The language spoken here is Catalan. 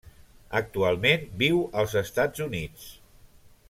Actualment viu als Estats Units.